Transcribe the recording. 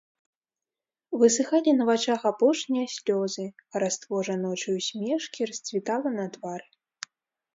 Высыхалі на вачах апошнія слёзы, хараство жаночай усмешкі расцвітала на твары.